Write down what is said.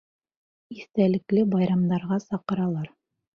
Иҫтәлекле байрамдарға саҡыралар.